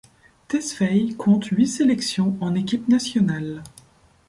Tesfaye compte huit sélections en équipe nationale.